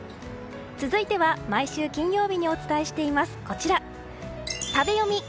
続いては毎週金曜日にお伝えしている食べヨミ。